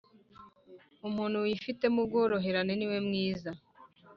Umuntu wifitemo ubworoherane ni we mwiza